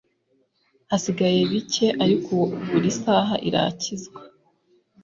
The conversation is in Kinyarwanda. Hasigaye bike; ariko buri saha irakizwa